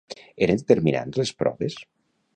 Eren determinants les proves?